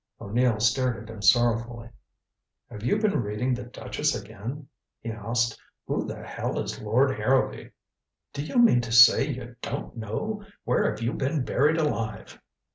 O'Neill stared at him sorrowfully. "Have you been reading the Duchess again?" he asked. "Who the hell is Lord Harrowby?" "Do you mean to say you don't know? Where have you been buried alive?"